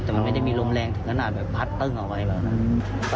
แต่มันไม่ได้มีลมแรงถึงขนาดแบบพัดตึ้งเอาไว้แบบนั้น